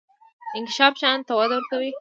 انکشاف شیانو ته وده ورکوي.